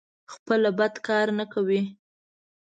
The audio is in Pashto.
خپله بد کار نه کوي.